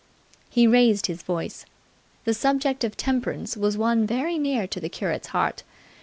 He raised his voice. The subject of Temperance was one very near to the curate's heart.